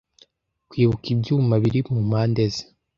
kwibuka ibyuma biri mu mpande ze